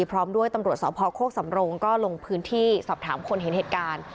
พร้อมด้วยตำรวจสพโคกสำรงก็ลงพื้นที่สอบถามคนเห็นเหตุการณ์